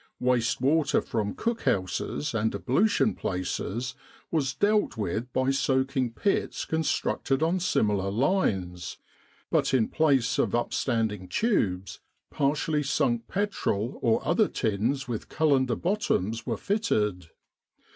Waste water from cookhouses and ablution places was dealt with by soakage pits constructed on similar lines; but in place of upstanding tubes, partially sunk petrol or other tins with cullender bottoms were fitted.